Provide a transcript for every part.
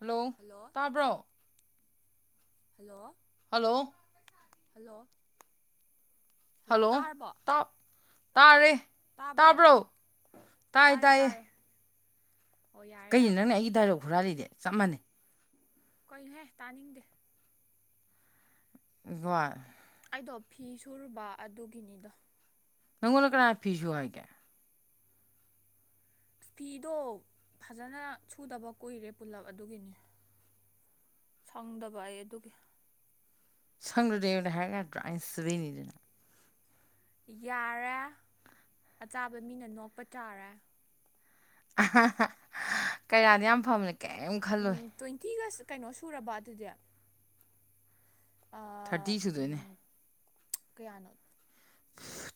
hello ꯇꯥꯕ꯭ꯔꯣ hello hello hello hello ꯇꯥꯕ ꯇꯥꯔꯦ ꯇꯥꯕ꯭ꯔꯣ ꯇꯥꯏ ꯇꯥꯔꯦ ꯇꯥꯏꯌꯦ ꯇꯥꯔꯦ ꯑꯣ ꯌꯥꯔꯦ ꯀꯩꯅꯣ ꯌꯥꯔꯦ ꯅꯪꯅ ꯑꯩꯒꯤ ꯗꯥꯏꯂꯣꯛ ꯍꯨꯔꯥꯜꯂꯤꯗꯤ ꯆꯞ ꯃꯥꯅꯩ ꯀꯩꯅꯨꯍꯦ ꯇꯥꯅꯤꯡꯗꯦ [unintelligible] ꯑꯩꯗꯣ ꯐꯤ ꯁꯨꯨꯔꯨꯕ ꯑꯗꯨꯒꯤꯅꯤꯗ ꯅꯪꯉꯣꯟꯗ ꯀꯅꯥ ꯐꯤꯁꯨ ꯍꯥꯏꯒꯦ ꯐꯤꯗꯣ ꯐꯖꯅ ꯁꯨꯗꯕ ꯀꯨꯏꯔꯦ ꯄꯨꯜꯂꯞ ꯑꯗꯨꯒꯤꯅꯤ ꯁꯪꯗꯕ ꯑꯩ ꯑꯗꯨꯒꯤ ꯁꯪꯗꯔꯗꯤ ꯑꯩꯉꯣꯟꯗ ꯍꯥꯏꯔꯛ ꯌꯥꯗꯔꯣ ꯑꯩꯅ ꯁꯨꯕꯤꯅꯤꯗꯅ ꯌꯥꯔꯦ ꯑꯆꯥꯕ ꯃꯤꯅ ꯅꯣꯛꯄ ꯇꯥ ꯔꯦ ꯀꯩꯔꯥꯗꯤ ꯌꯥꯝ ꯐꯕꯅꯤ ꯀꯩꯏꯝ ꯈꯜꯂꯣꯏ ꯇꯣꯏꯟꯇꯤꯒ ꯀꯩꯅꯣ ꯁꯨꯔꯕ ꯑꯗꯨꯗꯤ ꯑꯥ ꯊꯔꯇꯤ ꯁꯨꯗꯣꯏꯅꯦ ꯎꯝ ꯀꯌꯥꯅꯣ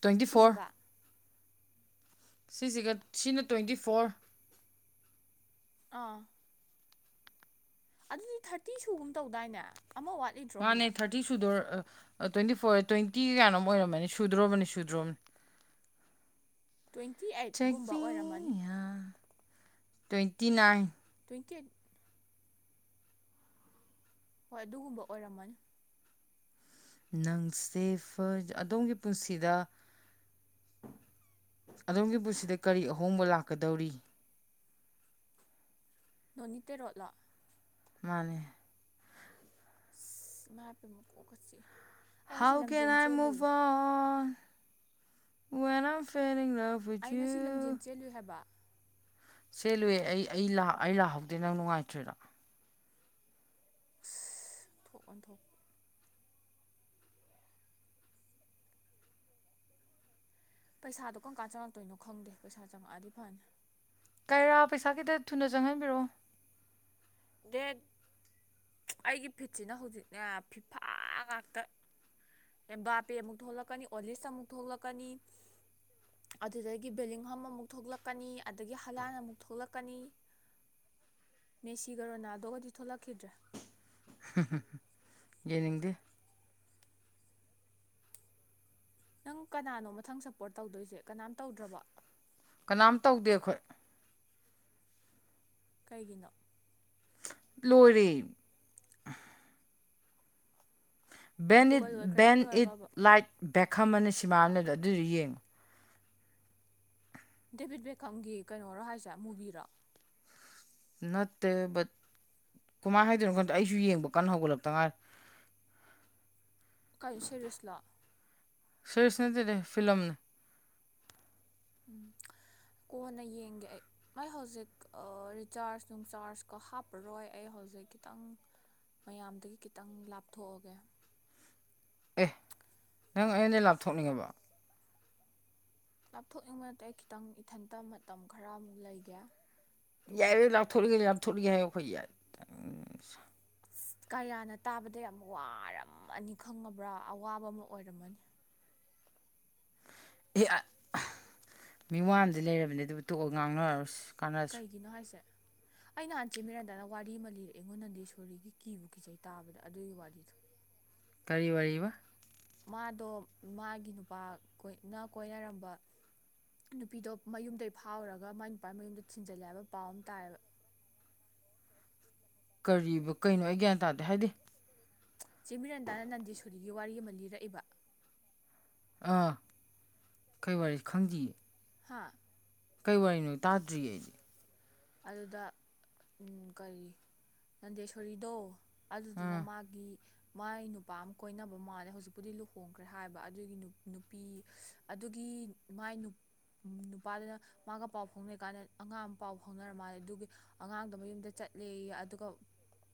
ꯇꯣꯏꯟꯇꯤ ꯐꯣꯔ ꯁꯤꯁꯤꯒ ꯁꯤꯖꯤꯒ ꯁꯤꯅ ꯇꯣꯏꯟꯇꯤ ꯐꯣꯔ ꯑꯥ ꯑꯗꯨꯗꯤ ꯊꯥꯔꯇꯤ ꯁꯨꯒꯨꯝ ꯇꯧꯗꯥꯏꯅꯦ ꯑꯃ ꯋꯥꯠ ꯃꯥꯅꯦ ꯊꯥꯔꯇꯤ ꯁꯨꯗꯣꯔ ꯇꯣꯏꯟꯇꯤ ꯐꯣꯔ ꯇꯣꯏꯟꯇꯤ ꯒ ꯀꯥꯌꯥꯅꯣꯝ ꯑꯣꯏꯔꯝꯃꯅꯤ ꯁꯨꯗ꯭ꯔꯣꯕꯅꯤ ꯁꯨꯗ꯭ꯔꯣꯕꯅꯤ ꯇ꯭ꯋꯦꯟꯇꯤ ꯑꯩꯠꯒꯨꯝꯕ ꯑꯣꯏꯔꯝꯃꯅꯤ ꯆꯦꯛꯄꯤꯌꯥ ꯇꯣꯏꯟꯇꯤ ꯅꯥꯏꯟ ꯇꯣꯏꯟꯇꯤ ꯑꯩꯏꯠ ꯍꯣꯏ ꯑꯗꯨꯒꯨꯝꯕ ꯑꯣꯏꯔꯝꯃꯅꯤ ꯅꯪꯁꯦꯐ ꯑꯗꯣꯝꯒꯤ ꯄꯨꯟꯁꯤꯗ ꯑꯗꯣꯝꯒꯤ ꯄꯨꯟꯁꯤꯗ ꯀꯔꯤ ꯑꯍꯣꯡꯕ ꯂꯥꯛꯀꯗꯧꯔꯤ ꯅꯣꯅꯤꯇꯦ ꯔꯣꯠꯂꫭ ꯃꯥꯅꯦ ꯏꯃꯥꯏ ꯄꯦꯝꯃ ꯀꫭꯛꯀ ꯆꯤꯛꯑꯦ ꯑꯩ ꯉꯁꯤ ꯍꯥꯎ ꯀꯦꯅ ꯂꯝꯖꯦꯟ ꯑꯥꯏ ꯆꯦꯜꯂꯨꯏ ꯃꯨꯚ ꯑꯣꯟ ꯋꯦꯟ ꯑꯥꯏ ꯃꯤꯂꯤꯡ ꯂꯞ ꯕꫭꯏꯆꯨ ꯀꯜꯂꯨ ꯍꯦꯕ ꯁꯦꯂꯨꯑꯦ ꯑꯩ ꯂ ꯑꯩ ꯂꯥꯛꯍꯧꯗꯦ ꯅꯪ ꯅꯨꯡꯉꯥꯏꯇ꯭ꯔꯤꯔꫭ ꯊꯣꯛ ꯑꯣꯟꯊꯣꯛ ꯄꯩꯁꯥꯗꯣ ꯀꯝ ꯀꯥꯟ ꯆꯪꯉꯛꯇꯣꯏꯅꯣ ꯈꯪꯗꯦ ꯄꯩꯁꯥ ꯆꯪꯉꯛꯑꯗꯤ ꯐꯅꯤ ꯀꯩꯔꯥ ꯄꯩꯁꯥ ꯈꯤꯠꯇ ꯊꯨꯅ ꯆꯪꯍꯟꯕꯤꯔꯛꯑꯣ ꯗꯦꯠ ꯑꯩꯒꯤ ꯐꯤꯠꯁꯤꯅ ꯍꯧꯖꯤꯛꯅꯦ ꯐꯤꯐꯥ ꯉꯥꯛꯇ ꯑꯦꯝꯕꯥꯄꯦ ꯑꯃꯨꯛ ꯊꯣꯛꯂꯛꯀꯅꯤ ꯑꯣꯂꯤꯁ ꯑꯃꯨꯛ ꯊꯣꯛꯂꯛꯀꯅꯤ ꯑꯗꯨꯗꯒꯤ ꯕꯦꯂꯤꯡꯍꯝ ꯑꯃꯨꯛ ꯊꯣꯛꯂꯛꯀꯅꯤ ꯑꯗꯨꯗꯒꯤ ꯍꯂꯥꯟ ꯑꯃꯨꯛ ꯊꯣꯛꯂꯛꯀꯅꯤ ꯀꯤꯒ ꯔꯣꯅꯥꯜꯗꯣꯒꯗꯤ ꯊꯣꯛꯂꯛꯈꯤꯗ꯭ꯔꯦ ꯌꯦꯅꯤꯡꯗꯦ ꯅꯪ ꯀꯅꯥꯅꯣ ꯃꯊꯪ ꯁꯞꯄꯣꯔꯠ ꯇꯧꯗꯣꯏꯁꯦ ꯀꯅꯥꯝ ꯇꯧꯗ꯭ꯔꯕ ꯀꯅꯥꯝ ꯇꯧꯗꯦ ꯑꯩꯈꯣꯏ ꯀꯩꯒꯤꯅꯣ ꯂꯣꯏꯔꯦ ꯕꯦꯟ ꯏꯠ ꯄꯣꯔꯇꯨꯒꯜ ꯑꯣꯏꯈ꯭ꯔꯗꯤ ꯕꯦꯟ ꯏꯠ ꯂꯣꯏꯔꯕꯕ ꯂꯥꯏꯠ ꯕꯦꯛꯈꯝ ꯑꯅ ꯁꯤꯃꯅꯗꯣ ꯑꯗꯨꯏꯗꯨ ꯌꯦꯡꯉꯨ ꯗꯦꯕꯤꯠ ꯕꯦꯀꯝꯒꯤ ꯀꯩꯅꯣꯔꯣ ꯍꯥꯏꯁꯦ ꯃꯨꯕꯤꯔꯣ ꯅꯠꯇꯦ ꯕꯠ ꯀꯃꯥꯏꯅ ꯍꯥꯏꯗꯣꯏꯅꯣ ꯈꯟꯗ ꯑꯩꯁꯨ ꯌꯦꯡꯕ ꯀꯟꯅ ꯍꯧꯒꯠꯂꯛꯇ ꯉꯥꯏꯔ ꯀꯩ ꯁꯦꯔꯤꯁꯂꫭ ꯁꯦꯔꯤꯁ ꯅꯠꯇꯦꯗ ꯐꯤꯂꯝꯅꯦ ꯎꯝ [unintelligible] [inaudible] ꯀꯣꯟꯅ ꯌꯦꯡꯒꯦ ꯑꯩ ꯅꯣꯏ ꯍꯧꯖꯤꯛ ꯔꯤꯆꯥꯔꯖ ꯅꯨꯡꯆꯥꯔꯖꯀꯣ ꯍꯥꯞꯄꯔꯣꯏ ꯑꯩ ꯍꯧꯖꯤꯛ ꯈꯤꯇꯪ ꯃꯌꯥꯝꯗꯒꯤ ꯈꯤꯇꯪ ꯂꯥꯞꯊꯣꯛꯑꯒꯦ ꯑꯦ ꯅꯪ ꯑꯩꯉꯣꯟꯗꯩ ꯂꯥꯞꯊꯣꯛꯅꯤꯡꯉꯕ ꯂꯥꯞꯊꯣꯛꯅꯤꯡꯕ ꯅꯠꯇꯦ ꯑꯩ ꯈꯤꯇꯪ ꯏꯊꯟꯇ ꯃꯇꯝ ꯈꯔ ꯑꯃꯨꯛ ꯂꯩꯒꯦ ꯑꯗꯨꯒ ꯌꯥꯏꯌꯦ ꯂꯥꯛꯞꯊꯣꯛꯅꯤꯡꯉꯗꯤ ꯂꯥꯞꯊꯣꯛꯅꯤꯡꯉꯦ ꯍꯥꯏꯌꫭ ꯑꯩꯈꯣꯏ ꯌꯥꯏ ꯑꯁ ꯀꯥꯂꯤꯌꯥꯅ ꯇꯥꯕꯗ ꯌꯥꯝ ꯋꯥꯔꯝꯃꯅꯤ ꯈꯪꯉꯕ꯭ꯔꯥ ꯑꯋꯥꯕ ꯑꯃ ꯑꯣꯏꯔꯝꯃꯅꯤ ꯑꯦ ꯃꯤ ꯋꯥꯗꯤ ꯂꯩꯔꯕꯅꯦ ꯑꯗꯨꯕꯨ ꯇꯣꯛꯑꫭ ꯉꯥꯡꯅꯔꯔꫭꯏꯁꯤ ꯀꯩꯒꯤꯅꯣ ꯍꯥꯏꯁꯦ ꯑꯩ ꯅꯍꯥꯟꯆꯦ ꯃꯤꯔꯟꯗꯥꯗ ꯋꯥꯔꯤ ꯑꯃ ꯂꯤꯔꯛꯑꯦ ꯑꯩꯉꯣꯟ ꯅꯟꯗꯦꯁꯣꯔꯤꯒꯤ ꯀꯤꯕꯨ ꯀꯖꯩ ꯇꯥꯕꯗ ꯑꯗꯨꯒꯤ ꯋꯥꯔꯤꯗꯣ ꯀꯔꯤ ꯋꯥꯔꯤꯕ ꯃꯥꯗꯣ ꯃꯥꯒꯤ ꯅꯨꯄꯥ ꯀꯣꯏꯅ ꯀꫭꯏꯅꯔꯝꯕ ꯅꯨꯄꯤꯗꯣ ꯃꯌꯨꯝꯗꯩ ꯐꯥꯎꯔꯒ ꯃꯥꯏ ꯅꯨꯄꯥ ꯃꯌꯨꯝꯗ ꯊꯤꯟꯖꯜꯂꯦ ꯍꯥꯏꯕ ꯄꯥꯎ ꯑꯃ ꯇꯥꯏꯌꯦꯕ ꯀꯔꯤꯕ ꯀꯩꯅꯣ ꯑꯩ ꯒ꯭ꯌꯥꯟ ꯇꯥꯗꯦ ꯍꯥꯏꯗꯤ ꯆꯦꯃꯤꯔꯟꯗꯥꯅ ꯅꯟꯗꯦꯁꯣꯔꯤꯒꯤ ꯋꯥꯔꯤ ꯑꯃ ꯂꯤꯔꯛꯏꯕ ꯑꯥ ꯀꯩ ꯋꯥꯔꯤ ꯈꯪꯗꯤꯌꯦ ꯍꯥꯥ ꯀꯩ ꯋꯥꯔꯤꯅꯣ ꯇꯥꯗ꯭ꯔꯤꯑꯦ ꯑꯩ ꯑꯗꯨꯗ ꯀꯔꯤ ꯅꯟꯗꯦꯁꯣꯔꯤꯗꯣ ꯑꯗꯨꯗꯨꯅ ꯑꯥ ꯃꯥꯒꯤ ꯃꯥꯏ ꯅꯨꯄꯥ ꯑꯃ ꯀꯣꯏꯅꯕ ꯃꯥꯜꯂꯦ ꯍꯧꯖꯤꯛꯄꯨꯗꯤ ꯂꯨꯍꯣꯡꯈ꯭ꯔꯦ ꯍꯥꯏꯕ ꯑꯗꯨꯒꯤ ꯅꯨꯄꯤ ꯑꯗꯨꯒꯤ ꯃꯥꯏ ꯅꯨꯞ ꯅꯨꯄꯥꯗꯨꯅ ꯃꯥꯒ ꯄꯥꯎ ꯐꯥꯎꯅ ꯀꯥꯟꯗ ꯑꯉꯥꯡ ꯑꯃ ꯄꯥꯎ ꯐꯥꯎꯅꯔꯝ ꯃꯥꯜꯂꯦ ꯑꯗꯨꯒꯤ ꯑꯉꯥꯡꯗꫭ ꯃꯌꯨꯝꯗ ꯆꯠꯂꯦ ꯑꯗꯨꯒ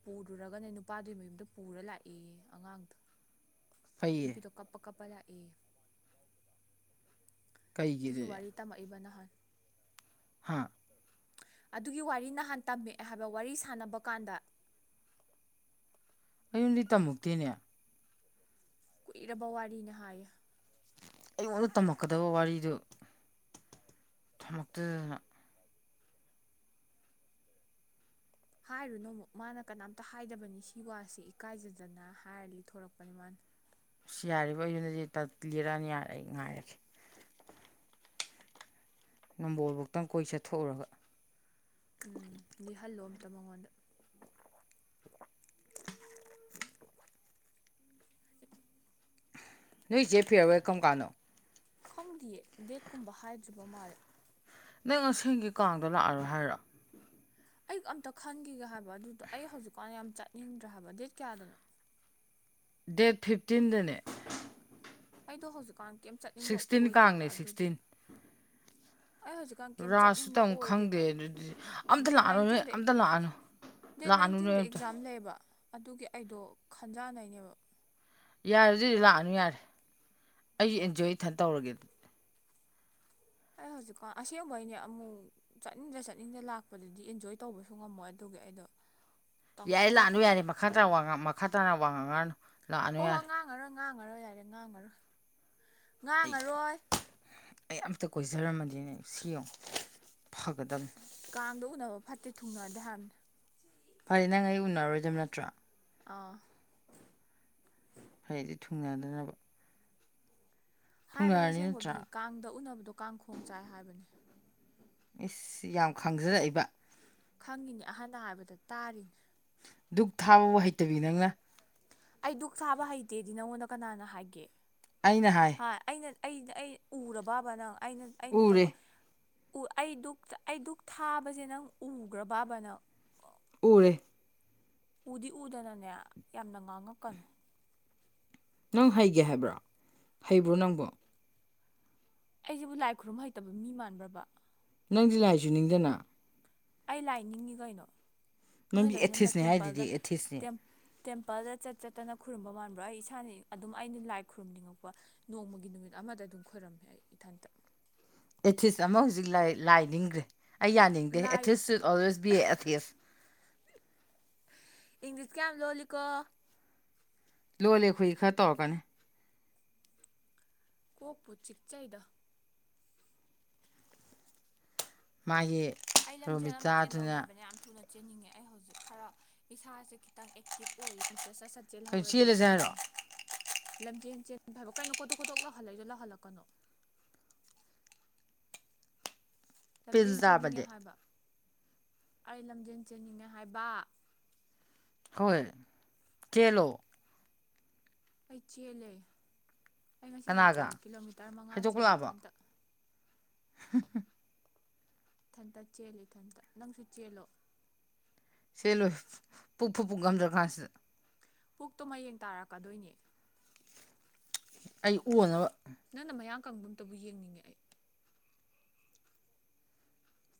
ꯄꯨꯔꯨꯔꯒꯅꯦ ꯅꯨꯄꯥꯗꯨꯒꯤ ꯃꯌꯨꯝꯗ ꯄꯨꯔ ꯂꯥꯛꯏꯌꯦ ꯑꯉꯥꯡꯗꯣ ꯐꯩꯌꯦ ꯅꯨꯄꯤꯗꯣ ꯀꯞꯄ ꯀꯞꯄ ꯂꯥꯛꯑꯦ ꯀꯩꯒꯤ ꯑꯗꯨꯒꯤ ꯑꯗꯨꯗꯤ ꯋꯥꯔꯤ ꯇꯝꯃꯛꯏꯕ ꯅꯍꯥꯟ [inaudible] ꯑꯗꯨꯒꯤ ꯋꯥꯔꯤ ꯅꯍꯥꯟ ꯇꯝꯃꯛꯑꯦ ꯍꯥꯏꯕ ꯋꯥꯔꯤ ꯁꯥꯟꯅꯕ ꯀꯥꯟꯗ ꯑꯩ ꯌꯨꯝꯗꯤ ꯇꯝꯃꯨꯛꯇꯦꯅꯦ ꯀꯨꯏꯔꯕ ꯋꯥꯔꯤꯅꯤ ꯍꯥꯏꯌꯦ ꯑꯩꯉꯣꯟꯗ ꯇꯝꯃꯛꯀꯗꯕ ꯋꯥꯔꯤꯗꯨ ꯊꯝꯃꯛꯇꯗꯅ ꯍꯥꯏꯔꯨꯅꯨ ꯑꯃꯨꯛ ꯃꯥꯅ ꯀꯅꯥꯝꯇ ꯍꯥꯏꯗꯕꯅꯤ ꯁꯤ ꯋꯥꯁꯦ ꯏꯀꯥꯏꯖꯗꯅ ꯍꯥꯏꯔ ꯂꯤꯊꯣꯔꯛꯄꯅꯦ ꯃꯥꯅ ꯑꯁ ꯌꯥꯔꯤꯕ ꯑꯩꯗꯨꯅꯗꯤ ꯇ ꯂꯤꯔꯅꯤ ꯌꯥꯔꯦ ꯑꯩ ꯉꯥꯏꯔꯒꯦ ꯅꯝꯕꯣꯜ ꯕꯨꯛꯇꯪ ꯀꯣꯏ ꯆꯠꯊꯣꯛꯎꯔꯒ ꯎꯝ ꯂꯤ ꯍꯂꯂꫭ ꯑꯃꯝꯇ ꯃꯉꯣꯟꯗ ꯅꯣꯏꯖꯩ ꯐꯤꯔꯋꯦꯜ ꯀꯝ ꯀꯥꯟꯅꫭ ꯈꯪꯗꯤꯌꯦ ꯗꯦꯠꯀꯨꯝꯕ ꯍꯥꯏꯗ꯭ꯔꯤꯕ ꯃꯥꯜꯂꯦ ꯅꯪ ꯑꯁꯦꯡꯒꯤ ꯀꯥꯡꯗ ꯂꯥꯛꯑꯔꯣꯏ ꯍꯥꯏꯔꯣ ꯑꯩ ꯑꯝꯇ ꯈꯟꯒꯤꯒꯦ ꯍꯥꯏꯕ ꯑꯗꯨꯗꯣ ꯑꯩ ꯍꯧꯖꯤꯛꯀꯥꯟ ꯌꯥꯝ ꯆꯠꯅꯤꯡꯗ꯭ꯔꯦ ꯍꯥꯏꯕ ꯗꯦꯠ ꯀꯌꯥꯗꯅꯣ ꯗꯦꯠ ꯐꯤꯞꯇꯤꯟꯗꯅꯦ ꯑꯩꯗꯣ ꯍꯧꯖꯤꯛꯀꯥꯟ ꯀꯩꯝ ꯆꯠꯅꯤꯡꯕ ꯁꯤꯛꯁꯇꯤꯟ ꯑꯣꯏꯗꯦꯕ ꯀꯥꯡꯅꯦ ꯑꯗꯨꯒꯤ ꯁꯤꯛꯁꯇꯤꯟ ꯑꯩ ꯍꯧꯖꯤꯛ ꯀꯥꯡ ꯀꯦꯝ ꯔꯥꯁꯁꯨ ꯆꯠꯅꯤꯡꯕ ꯇꯝ ꯈꯪꯗꯦ ꯑꯣꯏꯗꯦꯕ ꯑꯗꯨꯗꯤ ꯑꯝꯇ ꯗꯦꯠ ꯂꯥꯛꯑꯅꯨ ꯅꯣꯏ ꯅꯥꯏꯟꯇꯤꯟꯗ ꯑꯝꯇ ꯂꯥꯛꯑꯅꯨ ꯗꯦꯠ ꯂꯥꯛꯑꯅꯨ ꯅꯣꯏ ꯅꯥꯏꯟꯇꯤꯟꯗ ꯑꯝꯇ ꯑꯦꯛꯖꯥꯝ ꯂꯩꯌꯦꯕ ꯑꯗꯨꯒꯤ ꯑꯩꯗꯣ ꯈꯟꯖꯥꯟꯅꯩꯅꯦꯕ ꯌꯥꯔꫭꯏꯗꯨꯏꯗꯤ ꯂꯥꯛꯑꯅꯨ ꯌꯥꯔꯦ ꯑꯩꯁꯨ ꯑꯦꯟꯖꫭ ꯏꯊꯟ ꯇꯧꯔꯒꯦ ꯑꯗꯨ ꯑꯩ ꯍꯧꯖꯤꯛꯀꯥꯟ ꯑꯁꯦꯡꯕꯩꯅꯤ ꯑꯃꯨꯛ ꯆꯠꯅꯤꯡꯗ ꯆꯠꯅꯤꯡꯗ ꯂꯥꯛꯄꯗꯨꯗꯤ ꯑꯦꯟꯖꯣꯏ ꯇꯧꯕꯁꯨ ꯉꯝꯃꯣꯏ ꯑꯗꯨꯒꯤ ꯑꯩꯗꯣ ꯌꯥꯔꯦ ꯂꯥꯛꯅꯨ ꯇꯪꯈꯠꯂꯛꯈꯤꯒꯦ ꯌꯥꯔꯦ ꯃꯈꯥ ꯇꯥꯅꯡ ꯋꯥ ꯃꯈꯥ ꯇꯥꯅ ꯋꯥꯡꯉꯥꯡꯉꯅꯨ ꯍꯣꯏ ꯍꯣꯏ ꯉꯥꯡꯉꯔꯣꯏ ꯉꯥꯡꯉꯔꯣꯏ ꯌꯥꯔꯦ ꯉꯥꯡꯉꯔꯣꯏ ꯑꯩ ꯉꯥꯡꯉꯔꯣꯏ ꯑꯩ ꯑꯝꯇ ꯀꯣꯏꯖꯔꯝꯃꯗꯤꯅꯦ ꯁꯤ ꯌꯦꯡꯉꯨ ꯐꯒꯗꯕꯅꯤ ꯀꯥꯡꯗ ꯎꯅꯕ ꯐꯠꯇꯦ ꯊꯨꯡꯅꯗꯦ ꯍꯥꯏꯕꯅꯤ ꯐꯔꯦ ꯅꯪ ꯑꯩ ꯎꯅꯔꯣꯏꯗꯕ ꯅꯠꯇ꯭ꯔꯣ ꯑꯥ ꯐꯔꯦ ꯑꯗꯤ ꯊꯨꯡꯅꯗꯅꯕ ꯍꯥꯏꯕꯅꯦ ꯊꯨꯡꯅꯔꯅꯤ ꯅꯠꯇ꯭ꯔꯥ ꯑꯁꯦꯡꯕꯒꯤ ꯀꯥꯡꯗ ꯎꯅꯕꯗꯣ ꯀꯥꯡꯈꯣꯡ ꯆꯥꯏ ꯍꯥꯏꯕꯅꯦ ꯏꯁ ꯌꯥꯝ ꯈꯪꯖꯔꯛꯏꯕ ꯈꯪꯉꯤꯅꯤ ꯑꯍꯥꯟ ꯍꯥꯏꯕꯗ ꯇꯥꯔꯤꯅꯤ ꯗꯨꯛ ꯊꯥꯕꯕꯨ ꯍꯩꯇꯕꯤ ꯅꯪꯅ ꯑꯩ ꯗꯨꯛ ꯊꯥꯕ ꯍꯩꯇꯦꯗꯤ ꯅꯪꯉꯣꯟꯗ ꯀꯅꯥꯅ ꯍꯥꯏꯒꯦ ꯍꯥꯏ ꯑꯩꯅ ꯑꯩ ꯑꯩ ꯎꯔꯕꯕ ꯅꯪ ꯑꯩꯅ ꯑꯩꯅ ꯎꯔꯦ ꯇꯧꯕ ꯎ ꯑꯩ ꯗꯨꯛ ꯑꯩ ꯗꯨꯛ ꯊꯥꯕꯁꯦ ꯅꯪ ꯎꯈ꯭ꯔꯕꯕꯅꯪ ꯎꯔꯦ ꯎꯗꯤ ꯎꯗꯅꯅꯦ ꯌꯥꯝꯅ ꯉꯥꯡꯉꯛꯀꯅꯨ ꯅꯪ ꯍꯩꯒꯦ ꯍꯥꯏꯕ꯭ꯔꯣ ꯍꯩꯕ꯭ꯔꯣ ꯅꯪꯕꯣ ꯑꯩꯁꯤꯕꯨ ꯂꯥꯏ ꯈꯨꯔꯨꯝ ꯍꯩꯇꯕ ꯃꯤ ꯃꯥꯟꯕ꯭ꯔꯕ ꯅꯪꯗꯤ ꯂꯥꯏꯁꯨ ꯅꯤꯡꯗꯅ ꯑꯩ ꯂꯥꯏ ꯅꯤꯡꯉꯤ ꯀꯩꯅꯣ ꯅꯪꯗꯤ ꯅꯣꯏꯗꯧꯅ ꯃ ꯑꯦꯊꯤꯁꯅꯦ ꯍꯥꯏꯗꯨꯗꯤ ꯇꯦꯝꯄꯜꯗ ꯑꯦꯊꯤꯁꯅꯦ ꯇꯦꯝꯄꯜꯗ ꯆꯠ ꯆꯠꯇꯅ ꯈꯨꯔꯨꯝꯕ ꯃꯥꯟꯕ꯭ꯔꯥ ꯑꯩ ꯏꯁꯥꯅ ꯑꯗꯨꯝ ꯑꯩꯅ ꯂꯥꯏ ꯈꯨꯔꯨꯝꯅꯤꯡꯉꯛꯄ ꯅꯣꯡꯃꯒꯤ ꯅꯨꯃꯤꯠ ꯑꯃꯗ ꯑꯗꯨꯝ ꯈꯣꯏꯔꯝꯃꯦ ꯑꯩ ꯏꯊꯟꯇ ꯑꯦꯊꯤꯁ ꯑꯃ ꯍꯧꯖꯤꯛ ꯂꯥꯏ ꯅꯤꯡꯈ꯭ꯔꯦ ꯑꯩ ꯌꯥꯅꯤꯡꯗꯦ ꯂꯥꯏ ꯑꯦꯊꯤꯁ ꯁꯨꯠ ꯑꯣꯜꯋꯦꯁ ꯕꯤ ꯑꯦ ꯑꯦꯊꯤꯁ ꯏꯪꯂꯤꯁ ꯀꯌꯥꯝ ꯂꯣꯜꯂꯤꯀꯣ ꯂꯣꯜꯂꯦ ꯑꯈꫭꯏ ꯈꯔ ꯇꯧꯔꯛꯀꯅꯤ ꯀꯣꯛꯄꯨ ꯆꯤꯛꯆꯩꯗ ꯃꯥꯒꯤ ꯑꯩ ꯂꯝꯖꯦꯜ ꯑꯃ ꯆꯦꯟꯗꯧ ꯔꯣꯃꯤꯇꯥꯗꯨꯅ ꯂꯩꯕꯅ ꯌꯥꯝꯅ ꯊꯨꯅ ꯆꯦꯟꯅꯤꯡꯉꯦ ꯑꯩ ꯍꯧꯖꯤꯛ ꯈꯔ ꯏꯁꯥꯁꯦ ꯈꯤꯇꯪ ꯑꯦꯛꯇꯤꯞ ꯑꯣꯏꯔꯤꯀꯟꯁꯤ ꯁꯠ ꯁꯠ ꯀꯩꯅꯣ ꯆꯦꯜꯍꯧꯔꯗꯤ ꯆꯦꯜꯂꯁꯦ ꯍꯥꯏꯔꯣ ꯆꯦꯟꯅꯤꯡꯉꯤ ꯂꯝꯖꯦꯜ ꯆꯦꯟ ꯐꯕ ꯀꯩꯅꯣ ꯀꯣꯇꯣꯛ ꯀꯣꯇꯣꯛꯅ ꯍꯥꯜꯂꯥꯛꯏꯗꯨ ꯂꯥꯛꯍꯜꯂꯛꯀꯅꯣ ꯄꯤꯜ ꯂꯝꯖꯦꯟ ꯆꯦꯟꯅꯤꯡꯉꯦ ꯆꯥꯕꯗꯤ ꯍꯥꯏꯕ ꯑꯩ ꯂꯝꯖꯦꯟ ꯆꯦꯟꯅꯤꯡꯉꯦ ꯍꯥꯏꯕ ꯍꯣꯏ ꯆꯦꯟꯂꯣ ꯑꯩ ꯆꯦꯜꯂꯦ ꯑꯩ ꯉꯁꯤꯁꯨ ꯀꯅꯥꯒ ꯆꯦꯜꯂꯤ ꯀꯤꯂꯣꯃꯤꯇꯔ ꯃꯉꯥ ꯆꯦꯜꯂꯦ ꯏꯊꯟꯇꯥ ꯎ [inaudible] ꯏꯊꯟꯇꯥ ꯆꯦꯜꯂꯤ ꯏꯊꯟꯇꯥ ꯅꯪꯁꯨ ꯆꯦꯜꯂꯣ ꯆꯦꯟꯂꯣꯏ ꯄꯨꯛ ꯐꯨꯛ ꯄꯨꯛ ꯉꯝꯗ꯭ꯔ ꯀꯥꯟꯁꯤꯗ ꯄꯨꯛꯇꯣ ꯃꯌꯦꯡ ꯇꯥꯔꯛꯀꯗꯣꯏꯅꯦ ꯑꯩ ꯑꯣꯅꯕ ꯅꯪꯅ ꯃꯌꯥꯝ ꯀꯪꯕ ꯑ ꯑꯃꯇꯕꯨ ꯌꯦꯡꯅꯤꯡꯉꯦ ꯑꯩ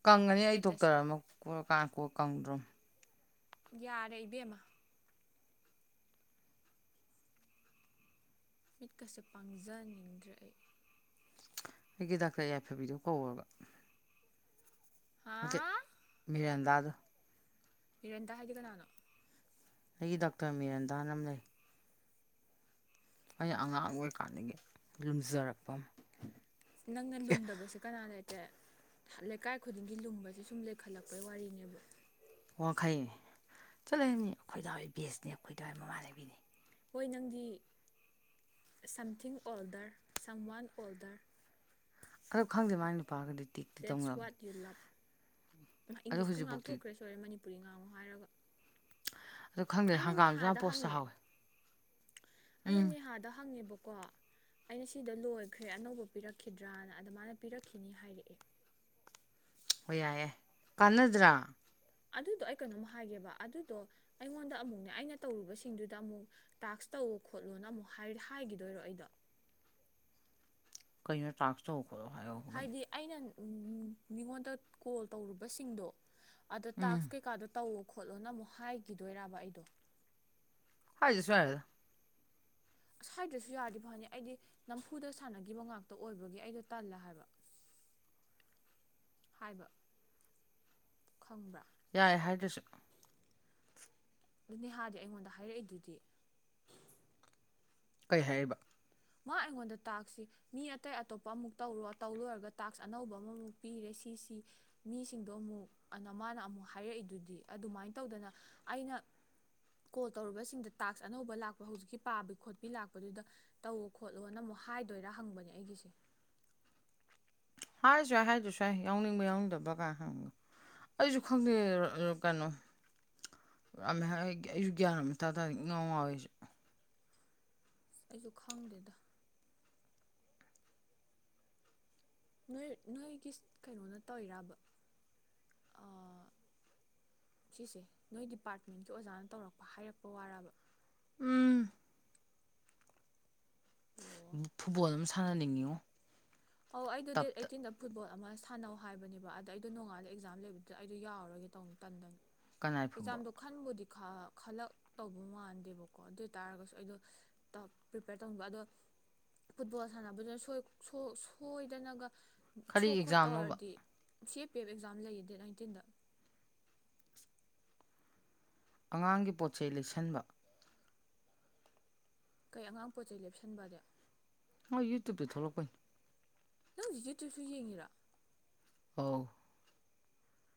ꯀꯪꯉꯅꯤ ꯑꯩ ꯏꯁꯇꯦꯇꯁ ꯗꯣꯛꯇꯔ ꯑꯃ [unintelligible] ꯀꯣ ꯀꯪꯗ꯭ꯔꯣꯃꯤ ꯌꯥꯔꯦ ꯏꯕꯦꯝꯃ ꯃꯤꯠꯀꯁꯦ ꯄꯥꯡꯖꯅꯤꯡꯗ꯭ꯔꯦ ꯑꯩ ꯑꯩꯒꯤ ꯗꯥꯛꯇꯔ ꯌꯥꯏꯐꯕꯤꯗꯣ ꯀꯧꯒ ꯍꯥꯥ ꯃꯤꯔꯦꯟꯗꯥ ꯑꯗꯨ ꯍꯤꯔꯦꯟꯇ ꯍꯥꯏꯗꯤ ꯀꯅꯥꯅꯣ ꯑꯩꯒꯤ ꯗꯥꯛꯇꯔ ꯃꯤꯔꯟꯗꯥꯅ ꯑꯃ ꯂꯩ ꯑꯩꯅ ꯑꯉꯥꯡ ꯑꯣꯏꯔꯤꯀꯥꯟꯗꯒꯤ ꯂꯨꯝꯖꯔꯛꯄ ꯅꯪꯅ ꯂꯨꯝꯗꯕꯁꯦ ꯀꯅꯥ ꯂꯩꯇ꯭ꯔꯦ ꯂꯩꯀꯥꯏ ꯈꯨꯗꯤꯡꯒꯤ ꯂꯨꯝꯕꯁꯦ ꯁꯨꯝ ꯂꯩꯈꯠꯂꯛꯄꯩ ꯋꯥꯔꯤꯅꯦꯕ ꯋꯥꯡꯈꯩ ꯆꯠꯂꯅꯤ ꯑꯩꯈꯣꯏꯗꯗꯥꯋꯥꯏ ꯕꯦꯁꯅꯦ ꯑꯩꯈꯣꯏꯗꯥꯋꯥꯏ ꯃꯃꯥꯟꯅꯕꯤꯅꯤ ꯍꯣꯏ ꯅꯪꯗꯤ ꯁꯝꯊꯤꯡ ꯑꯣꯜꯗꯔ ꯁꯝ ꯋꯥꯟ ꯑꯣꯜꯗꯔ ꯑꯗꯨ ꯈꯪꯗꯦ ꯃꯥꯒꯤ ꯅꯨꯄꯥꯒꯗꯤ ꯇꯤꯛꯇꯤ ꯗꯦꯠꯁ ꯋꯥꯠ ꯇꯧꯅꯕꯅꯤ ꯌꯨ ꯂꯕ ꯏꯃꯥ ꯑꯗꯣ ꯏꯪꯂꯤꯁꯀ ꯍꯧꯖꯤꯛꯐꯥꯎꯗꯤ ꯉꯥꯡꯊꯣꯛꯈ꯭ꯔꯦ ꯁꯣꯏꯔꯦ ꯃꯅꯤꯄꯨꯔꯤ ꯉꯥꯡꯉꯣ ꯍꯥꯏꯔꯒ ꯑꯗꯣ ꯈꯪꯗꯦ ꯑꯩꯅ ꯍꯪꯒꯥꯝꯁꯨ ꯌꯥꯝ ꯅꯦꯍꯥꯗ ꯄꯣꯁ ꯍꯪꯉꯦ ꯆꯥꯍꯥꯎꯋꯦ ꯑꯩꯅ ꯎꯝ ꯅꯦꯍꯥꯗ ꯍꯪꯉꯦꯕꯀꯣ ꯑꯩꯅ ꯁꯤꯗ ꯂꯣꯏꯈ꯭ꯔꯦ ꯑꯅꯧꯕ ꯄꯤꯔꯛꯈꯤꯗ꯭ꯔꯅ ꯑꯗ ꯃꯥꯅ ꯄꯤꯔꯛꯈꯤꯅꯤ ꯍꯥꯏꯔꯛꯑꯦ ꯍꯣꯏ ꯌꯥꯏꯑꯦ ꯀꯥꯟꯅꯗ꯭ꯔꯥ ꯑꯗꯨꯗꯣ ꯑꯩ ꯀꯩꯅꯣꯝ ꯍꯥꯏꯒꯦꯕ ꯑꯗꯨꯗꯣ ꯑꯩꯉꯣꯟꯗ ꯑꯃꯨꯛꯅꯦ ꯑꯩꯅ ꯇꯧꯔꯨꯕꯁꯤꯡꯗꯨꯗ ꯑꯃꯨꯛ ꯇꯥꯛꯁ ꯇꯧ ꯈꯣꯠꯂꯣꯅ ꯑꯃꯨꯛ ꯍꯥꯏꯈꯤꯗꯣꯏꯔꯣ ꯑꯩꯗꯣ ꯀꯩꯅꯣ ꯇꯥꯛꯁ ꯇꯧ ꯈꯣꯂꯣ ꯍꯥꯏꯔꯣ ꯍꯥꯏꯕꯨ ꯀꯩꯅꯣ ꯍꯥꯏꯗꯤ ꯑꯩꯅ ꯃꯤꯉꯣꯟꯗ ꯀꯣꯜ ꯇꯧꯔꯨꯕꯁꯤꯡꯗꯣ ꯑꯗ ꯎꯝ ꯇꯥꯛꯁ ꯀꯩꯀꯥꯗꯣ ꯇꯧꯑꯣ ꯈꯣꯠꯂꯣꯅ ꯑꯃꯨꯛ ꯍꯥꯏꯈꯤꯗꯣꯏꯔꯕ ꯑꯩꯗꯣ ꯍꯥꯏꯗꯔ꯭ꯁꯨ ꯌꯔꯦꯗꯥ ꯑꯥꯁ ꯍꯥꯏꯗꯔ꯭ꯁꯨ ꯌꯥꯔꯗꯤ ꯐꯅꯤ ꯑꯩꯗꯤ ꯅꯝꯐꯨꯗ ꯁꯥꯟꯅꯈꯤꯕ ꯉꯥꯛꯇ ꯑꯣꯏꯕꯒꯤ ꯑꯩꯗꯣ ꯇꯜꯂꯦ ꯍꯥꯏꯕ [inaudible] ꯍꯥꯏꯕ ꯈꯪꯕ꯭ꯔꯥ ꯌꯥꯔꯦ ꯍꯥꯏꯗꯨꯁꯨ ꯑꯗꯨꯅꯦ ꯅꯦꯍꯥꯗꯤ ꯑꯩꯉꯣꯟꯗ ꯍꯥꯏꯔꯛꯏꯗꯨꯗꯤ ꯀꯩ ꯍꯥꯏꯔꯤꯕ ꯃꯥ ꯑꯩꯉꯣꯟꯗ ꯇꯥꯛꯁꯤ ꯃꯤ ꯑꯇꯩ ꯑꯇꯣꯞꯄ ꯑꯃꯨꯛ ꯇꯧꯔꯣ ꯇꯧ ꯂꯣꯏꯔꯒ ꯇꯥꯛꯁ ꯑꯅꯧꯕ ꯑꯃꯃꯨꯛ ꯄꯤꯔꯦ ꯁꯤꯁꯤ ꯃꯤꯁꯤꯡꯗꯣ ꯑꯃꯨꯛ ꯑꯅ ꯃꯥꯅ ꯑꯃꯨꯛ ꯍꯥꯏꯔꯛꯏꯗꯨꯗꯤ ꯑꯗꯨꯃꯥꯏꯅ ꯇꯧꯗꯅ ꯑꯩꯅ ꯀꯣꯜ ꯇꯧꯔꯨꯕꯁꯤꯡꯗ ꯇꯥꯛꯁ ꯑꯅꯧꯕ ꯂꯥꯛꯄ ꯍꯧꯖꯤꯛꯀꯤ ꯄꯥꯕꯤ ꯈꯣꯠꯄꯤ ꯂꯥꯛꯄꯗꯨꯗ ꯇꯧꯋ ꯈꯣꯠꯂꯣꯅ ꯑꯃꯨꯛ ꯍꯥꯏꯗꯣꯏꯔꯥ ꯍꯪꯕꯅꯦ ꯑꯩꯒꯤꯁꯤ ꯍꯥꯏꯔ꯭ꯁꯨ ꯌꯥꯏ ꯍꯥꯏꯗꯔ꯭ꯁꯨ ꯌꯥꯏ ꯌꯥꯎꯅꯤꯡꯕ ꯌꯥꯎꯅꯤꯡꯗꯕꯗꯨ ꯀꯅꯥꯅ ꯈꯪꯕꯅꯣ ꯑꯩꯁꯨ ꯈꯪꯗꯦ ꯀꯩꯅꯣ [unintelligible] ꯑꯩꯖꯨ ꯒ꯭ꯌꯥꯟꯑꯃ ꯏꯇꯥ ꯇꯥꯗꯦ ꯏꯉꯥꯎ ꯉꯥꯎꯋꯤ ꯑꯩꯖꯨ ꯑꯁ ꯑꯩꯖꯄ ꯈꯪꯗꯦꯗ ꯅꯣꯏ ꯅꯣꯏꯒꯤ ꯀꯩꯅꯣꯅ ꯇꯧꯔꯕ ꯑꯥ ꯁꯤꯁꯦ ꯅꯣꯏ ꯗꯤꯄꯥꯔꯠꯃꯦꯟꯀꯤ ꯑꯣꯖꯥꯅ ꯇꯧꯔꯛꯄ ꯍꯥꯏꯔꯛꯄ ꯋꯥꯔꯕ ꯎꯝ ꯑꯣ ꯐꯨꯠꯕꯣꯜ ꯑꯃ ꯁꯥꯟꯅꯅꯤꯡꯏꯉꯣ ꯑꯣ ꯑꯩꯗꯣ ꯗꯦꯠ ꯑꯩꯇꯤꯟꯗ ꯐꯨꯠꯕꯣꯜ ꯑꯃ ꯁꯥꯟꯅꯧ ꯍꯥꯏꯕꯅꯦꯕ ꯑꯗ ꯑꯩꯗꯣ ꯅꯣꯡꯉꯥꯂ ꯑꯦꯛꯖꯥꯝ ꯂꯩꯕꯗꯨꯗ ꯑꯩꯗꯣ ꯌꯥꯎꯔꯒꯦ ꯇꯧꯕꯅꯦ ꯇꯟꯗꯅ ꯀꯅꯥꯏ ꯐꯨꯠꯕꯣꯜ ꯑꯦꯛꯖꯥꯝꯗꯣ ꯈꯟꯕꯨꯗꯤ ꯈꯜꯂꯛ ꯇꯧꯕ ꯃꯥꯟꯗꯦꯕꯀꯣ ꯑꯗꯨ ꯑꯣꯏ ꯇꯥꯔꯒꯁꯨ ꯑꯩꯗꯣ ꯇꯥꯛ ꯄ꯭ꯔꯤꯄꯦꯌꯔ ꯇꯧꯅꯤꯡꯕ ꯑꯗꯣ ꯐꯨꯠꯕꯣꯜ ꯁꯥꯟꯅꯕꯗꯨꯗ ꯁꯣꯏ ꯁꯣꯏ ꯁꯣꯏꯗꯅꯒ ꯀꯔꯤ ꯁꯣꯛ ꯈꯣꯠ ꯑꯦꯛꯖꯥꯝꯅꯣꯕ ꯇꯧꯔꯗꯤ C A P F exam ꯂꯩꯌꯦ ꯗꯦꯠ ꯅꯥꯏꯟꯇꯤꯟꯗ ꯑꯉꯥꯡꯒꯤ ꯄꯣꯠꯆꯩ ꯂꯩꯁꯟꯕ ꯀꯩ ꯑꯉꯥꯡ ꯄꯣꯠ ꯆꯩꯩ ꯂꯦꯞꯁꯟꯕꯗꯦ ꯃꯣꯏ ꯌꯨꯇꯨꯞꯇꯥ ꯊꯣꯛꯂꯛꯄꯩ ꯅꯪ ꯍꯧꯖꯤꯛ ꯌꯨꯇꯨꯞꯁꯨ ꯌꯦꯡꯉꯤꯔꯣ ꯑꯥꯎ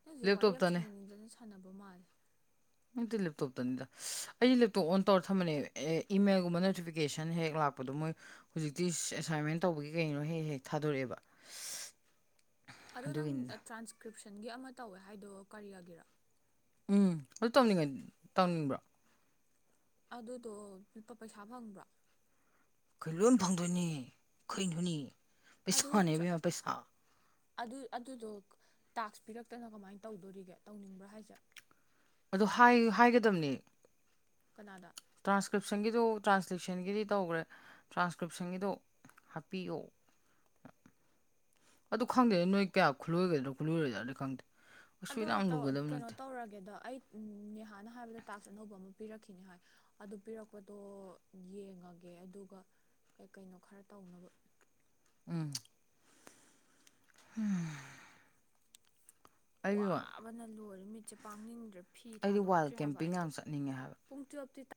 ꯅꯪ ꯍꯧꯖꯤꯛ ꯋꯥꯔꯤ ꯌꯥꯝ ꯁꯥꯟꯅꯅꯤꯡꯗꯅ ꯁꯥꯟꯅꯕ ꯃꯥꯜꯂꯤ ꯅꯇꯦ ꯂꯦꯞꯇꯣꯞꯇꯅꯤꯗ ꯑꯩꯗꯤ ꯂꯦꯞꯇꯣꯞ ꯑꯣꯟ ꯇꯧꯔ ꯊꯝꯕꯅꯦ ꯑꯦ ꯏꯃꯦꯜꯒꯨꯝꯕ ꯅꯣꯇꯤꯐꯤꯀꯦꯁꯟ ꯍꯦꯛ ꯂꯥꯛꯄꯗꯣ ꯃꯣꯏ ꯍꯧꯖꯤꯛꯇꯤ ꯑꯦꯁꯥꯏꯟꯃꯦꯟ ꯇꯧꯕꯒꯤ ꯀꯩꯅꯣ ꯍꯦꯛ ꯍꯦꯛ ꯊꯥꯗꯣꯔꯛꯑꯦꯕ ꯑꯗꯣ ꯅꯪ ꯑꯗꯨꯒꯤꯅꯤꯗ ꯇ꯭ꯔꯥꯟꯁꯀ꯭ꯔꯤꯞꯁꯟꯒꯤ ꯑꯃ ꯇꯧꯋꯦ ꯍꯥꯏꯗꯣ ꯀꯔꯤꯌꯥꯒꯤꯔ ꯎꯝ ꯑꯗꯨ ꯇꯧꯅꯤꯡꯉ ꯇꯧꯅꯤꯡꯕ꯭ꯔꯣ ꯑꯗꯨꯗꯣ ꯂꯨꯄꯥ ꯄꯩꯁꯥ ꯐꯪꯕ꯭ꯔꯣ ꯑꯩꯈꯣꯏ ꯂꯣꯏ ꯐꯪꯗꯣꯏꯅꯤ ꯀꯩꯅꯣꯅꯦ ꯑꯗꯨ ꯄꯩꯁꯥꯅꯦ ꯇꯔ ꯏꯕꯦꯝꯃ ꯄꯩꯁꯥ ꯑꯗꯨ ꯑꯗꯨꯗꯣ ꯇꯥꯛꯁ ꯄꯤꯔꯛꯇꯅ ꯀꯃꯥꯏꯅ ꯇꯧꯗꯣꯔꯤꯒꯦ ꯇꯧꯅꯤꯡꯕ꯭ꯔꯥ ꯍꯥꯏꯁꯦ ꯑꯗꯣ ꯍꯥꯏ ꯍꯥꯏꯒꯗꯕꯅꯦ ꯀꯅꯥꯅ ꯇ꯭ꯔꯥꯟꯁꯀ꯭ꯔꯤꯞꯁꯟꯒꯤꯗꯨ ꯇ꯭ꯔꯥꯟꯁꯂꯦꯁꯟꯒꯤꯗꯤ ꯇꯧꯈ꯭ꯔꯦ ꯇ꯭ꯔꯥꯟꯁꯀ꯭ꯔꯤꯞꯁꯟꯒꯤꯗꯣ ꯍꯥꯞꯄꯤꯌꯣ ꯑꯗꯨ ꯈꯪꯗꯦ ꯅꯣꯏ ꯀꯌꯥ ꯈꯨꯠꯂꯣꯏꯒꯗ꯭ꯔꯥ ꯈꯨꯠꯂꯣꯏ ꯔꯣꯏꯗ꯭ꯔꯥ ꯈꯪꯗꯦ ꯀꯩꯁꯨ ꯑꯗꯣ ꯌꯥꯝ ꯇꯧ ꯂꯨꯒꯗꯕ ꯀꯩꯅꯣ ꯅꯠꯇꯦ ꯇꯧꯔꯒꯦꯗ ꯑꯩ ꯅꯦꯍꯥꯅ ꯍꯥꯏꯕꯗ ꯇꯥꯛꯁ ꯑꯅꯧꯕ ꯑꯃ ꯄꯤꯔꯛꯈꯤꯅꯤ ꯍꯥꯏ ꯑꯗꯨ ꯄꯤꯔꯛꯄꯗꯣ ꯌꯦꯡꯉꯒꯦ ꯑꯗꯨꯒ ꯀꯩ ꯀꯩꯅꯣ ꯈꯔ ꯇꯧꯅꯕ ꯎꯝ ꯎꯝ ꯋꯥꯕꯅ ꯂꯣꯏꯔꯦ ꯃꯤꯠꯁꯦ ꯄꯥꯡꯅꯤꯡꯗ꯭ꯔꯦ ꯐꯤ ꯑꯩꯗꯤ ꯋꯥꯏꯜ ꯊꯥꯗꯣꯛꯇ꯭ꯔꯤ ꯍꯥꯏꯕ ꯀꯦꯝꯄꯤꯡ ꯌꯥꯝ ꯑꯩꯗꯣ ꯆꯠꯅꯤꯡꯉꯦ ꯍꯥꯏꯕ ꯄꯨꯡ ꯇꯨꯌꯦꯞꯇꯤ ꯇꯥ